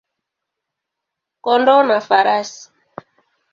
kondoo na farasi.